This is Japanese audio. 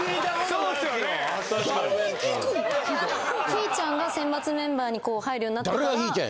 ひぃちゃんが選抜メンバーに入るようになったから。